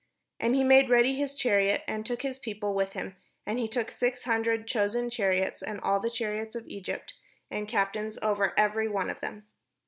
And he made ready his chariot, and took his people with him. And he took six hundred chosen chariots, and all the chariots of Egypt, and captains over every one of them.